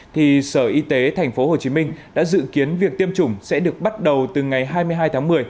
thì sở y tế thành phố hồ chí minh đã dự kiến việc tiêm chủng sẽ được bắt đầu từ ngày hai mươi hai tháng một mươi